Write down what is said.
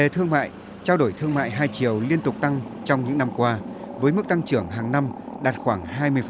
thương mại trao đổi thương mại hai chiều liên tục tăng trong những năm qua với mức tăng trưởng hàng năm đạt khoảng hai mươi